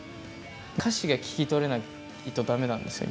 歌詞が聞き取れないとダメなんですよ